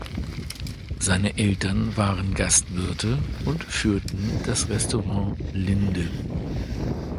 Seine Eltern waren Gastwirte und führten das "Restaurant Linde".